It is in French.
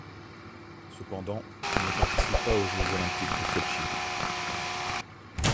Cependant, il ne participe pas aux Jeux olympiques de Sotchi.